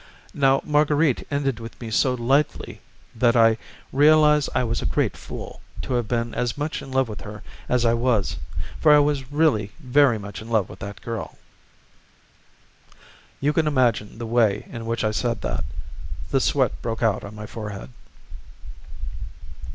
Now Marguerite ended with me so lightly that I realize I was a great fool to have been as much in love with her as I was, for I was really very much in love with that girl." You can imagine the way in which I said that; the sweat broke out on my forehead.